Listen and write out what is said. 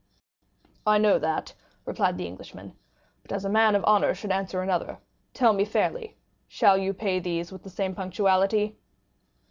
"I know that," replied the Englishman. "But as a man of honor should answer another, tell me fairly, shall you pay these with the same punctuality?"